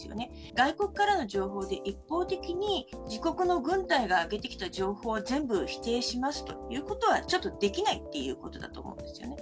外国からの情報で一方的に、自国の軍隊が挙げてきた情報を全部否定しますということは、ちょっとできないっていうことだと思うんですよね。